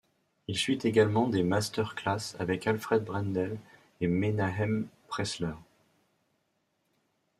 Il suit également des master class avec Alfred Brendel et Menahem Pressler.